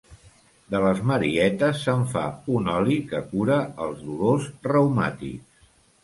De les marietes se'n fa un oli que cura els dolors reumàtics.